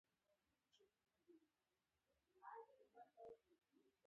آیا او مرسته کوي؟